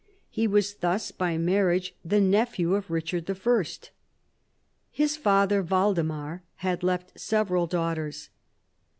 He was thus by marriage the nephew of Richard I. His father Waldemar had left several daughters.